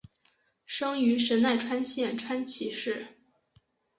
生于神奈川县川崎市。